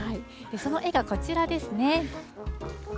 その絵がこちらですね。